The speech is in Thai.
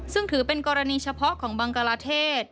ซึ่งถือเป็นกรณีเฉพาะของบังกลาเทศ